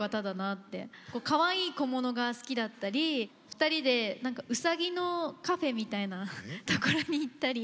かわいい小物が好きだったり２人でうさぎのカフェみたいなところに行ったり。